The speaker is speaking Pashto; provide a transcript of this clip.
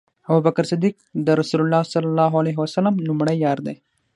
ابوبکر صديق د رسول الله صلی الله عليه وسلم لومړی یار دی